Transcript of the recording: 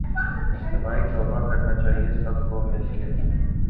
اجتماعی توبہ کرنی چاہیے سب کو مل کے